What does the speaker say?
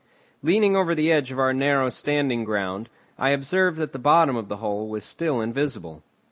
Leaning over the edge of our narrow standing ground, I observed that the bottom of the hole was still invisible.